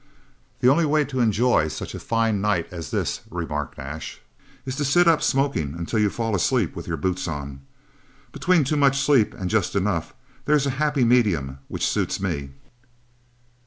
"The only way to enjoy such a fine night as this," remarked Ash, "is to sit up smoking until you fall asleep with your boots on. Between too much sleep and just enough, there's a happy medium which suits me."